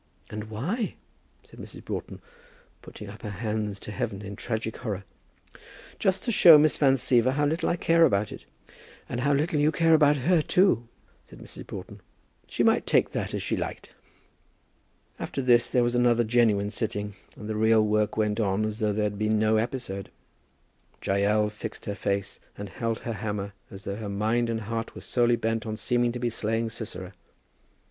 "And why?" said Mrs. Broughton, putting up her hands to heaven in tragic horror. "Just to show Miss Van Siever how little I care about it." "And how little you care about her, too," said Mrs. Broughton. "She might take that as she liked." After this there was another genuine sitting, and the real work went on as though there had been no episode. Jael fixed her face, and held her hammer as though her mind and heart were solely bent on seeming to be slaying Sisera.